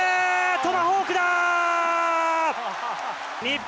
トマホークだ。